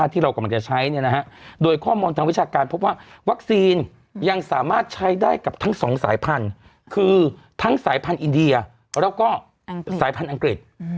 ที่เรากำลังจะใช้โดยข้อมูลทางวิชาการพบว่าวัคซีนยังสามารถใช้ได้กับทั้งสองสายพันธุ์คือทั้งสายพันธุ์อินเดียแล้วก็สายพันธุ์อังกฤษ